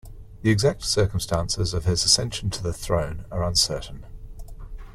The exact circumstances of his ascension to the throne are uncertain.